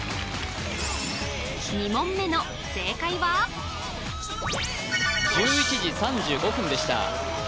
２問目の正解は１１時３５分でした